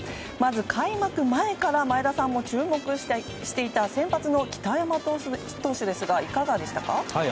まず開幕前から前田さんも注目していた先発の北山投手ですがいかがでしたか？